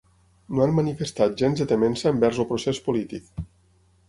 No han manifestat gens de temença envers el procés polític.